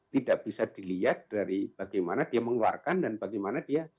tidak bisa dilihat dari bagaimana dia mengeluarkan dan bagaimana dia